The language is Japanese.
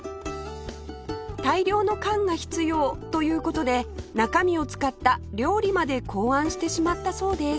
大量の缶が必要という事で中身を使った料理まで考案してしまったそうです